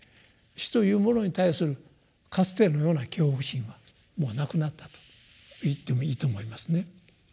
「死」というものに対するかつてのような恐怖心はもうなくなったと言ってもいいと思いますね。